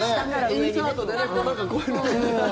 インサートでねこういうのに。